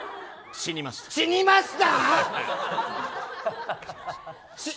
死にました。